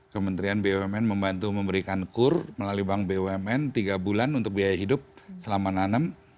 kementerian bumn membantu memberikan kur melalui bank bumn tiga bulan untuk biaya hidup selama nanem